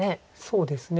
そうですね。